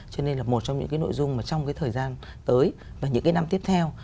cho nên là một trong những cái nội dung mà trong cái thời gian tới và những cái năm tiếp theo